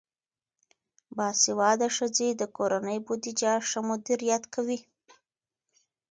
باسواده ښځې د کورنۍ بودیجه ښه مدیریت کوي.